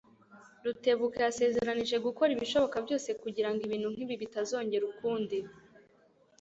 Rutebuka yasezeranije gukora ibishoboka byose kugirango ibintu nkibi bitazongera ukundi.